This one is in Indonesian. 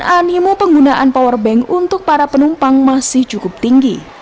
animo penggunaan powerbank untuk para penumpang masih cukup tinggi